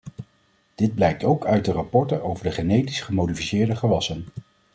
Dit blijkt ook uit de rapporten over de genetisch gemodificeerde gewassen...